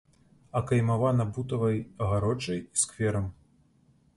Акаймавана бутавай агароджай і скверам.